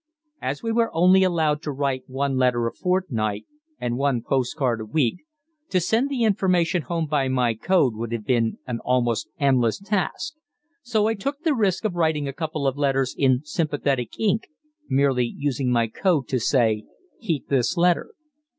As we were only allowed to write one letter a fortnight and one post card a week, to send the information home by my code would have been an almost endless task, so I took the risk of writing a couple of letters in sympathetic ink, merely using my code to say "Heat this letter."